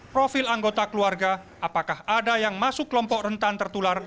profil anggota keluarga apakah ada yang masuk kelompok rentan tertular